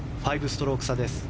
５ストローク差です。